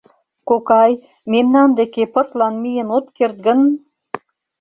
Кокай, мемнан деке пыртлан миен от керт гын?